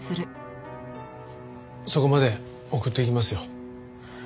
そこまで送っていきますよ。